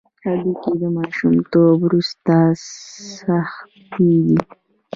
هډوکي د ماشومتوب وروسته سختېږي.